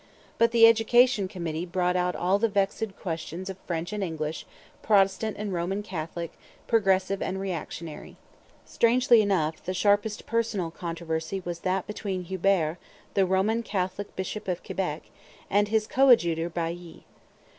But the education committee brought out all the vexed questions of French and English, Protestant and Roman Catholic, progressive and reactionary. Strangely enough, the sharpest personal controversy was that between Hubert, the Roman Catholic bishop of Quebec, and his coadjutor Bailly.